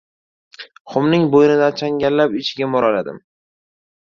Xumning bo‘ynidan changallab ichiga mo‘raladim.